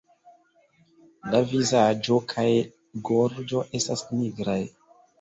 La vizaĝo kaj gorĝo estas nigraj.